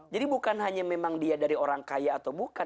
bukan hanya memang dia dari orang kaya atau bukan